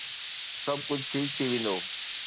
سڀ ڪجھ ٺيڪ ٿي ويندو